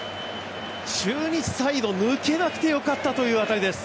中日サイド、抜けなくてよかったという当たりです。